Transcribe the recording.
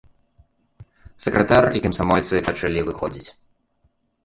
Сакратар і камсамольцы пачалі выходзіць.